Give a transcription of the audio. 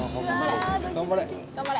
頑張れ！